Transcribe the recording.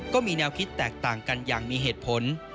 ก็มีแนวคิดแตกต่างกันอย่างมีเหตุผล